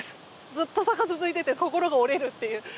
ずっと坂が続いていて心が折れるという。